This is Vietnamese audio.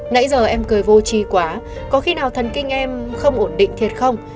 nãy giờ em cười vô trí quá có khi nào thần kinh em không ổn định thiệt không